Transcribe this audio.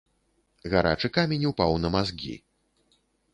Гарачы камень упаў на мазгі.